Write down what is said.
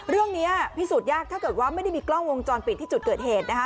เรื่องนี้พิสูจน์ยากถ้าเกิดว่าไม่ได้มีกล้องวงจรปิดที่จุดเกิดเหตุนะคะ